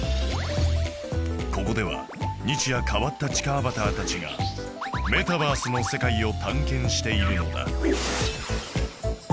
ここでは日夜変わった地下アバターたちがメタバースの世界を探検しているのだ